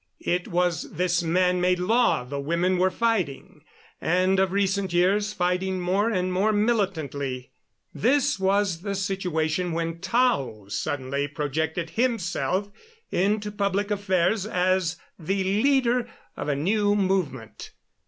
It was this man made law the women were fighting, and of recent years fighting more and more militantly. This was the situation when Tao suddenly projected himself into public affairs as the leader of a new movement.